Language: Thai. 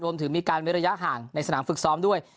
รวมถึงมีการเว้นระยะห่างในสนามฝึกซ้อมด้วย